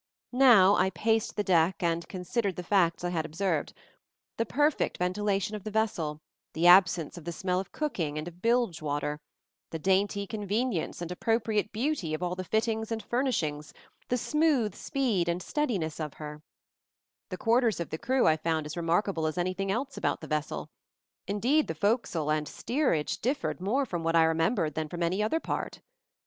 Now I paced the deck and considered the facts I had observed — the perfect ventila tion of the vessel, the absence of the smell of cooking and of bilge water, the dainty con venience and appropriate beauty of all the fittings and furnishings, the smooth speed and steadiness of her, MOVING THE MOUNTAIN 31 The quarters of the crew I found as re markable as anything else about the vessel; indeed the forecastle and steerage differed more from what I remembered than from any other part.